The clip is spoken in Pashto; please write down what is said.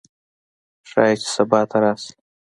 ښايي چې سبا ته راشي